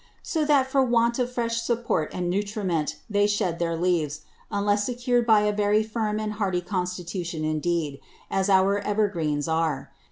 So that for want of fresh Support and Nutriment, they shed their Leaves, unless secur'd by a very firm and hardy Constitution indeed, as our ever Greens are.